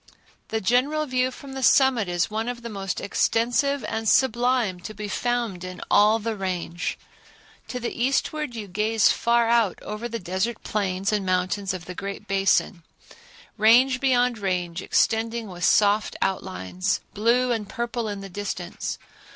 The general view from the summit is one of the most extensive and sublime to be found in all the Range. To the eastward you gaze far out over the desert plains and mountains of the "Great Basin," range beyond range extending with soft outlines, blue and purple in the distance.